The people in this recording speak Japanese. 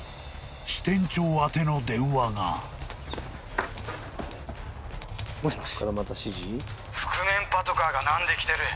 ［支店長宛ての電話が］もしもし。